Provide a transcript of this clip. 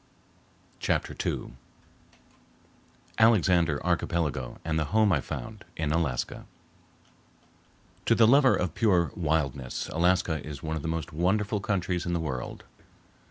Chapter II Alexander Archipelago and the Home I found in Alaska To the lover of pure wildness Alaska is one of the most wonderful countries in the world.